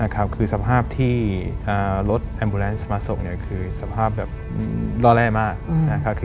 คือสภาพที่รถแอมบูแลนซ์มาส่งคือสภาพแบบล่อแร่มาก